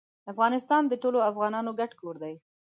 افغانستان د ټولو افغانانو ګډ کور دی.